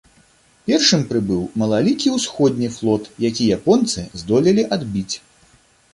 Першым прыбыў малалікі ўсходні флот, які японцы здолелі адбіць.